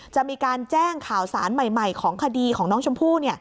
จะมีการแจ้งข่าวสารใหม่ของคดีของน้องชมพู่